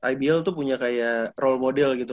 ibl tuh punya kayak role model gitu